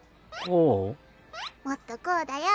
もっとこうだよ。